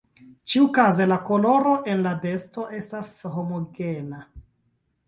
Ĉiukaze la koloro en la besto estas homogena.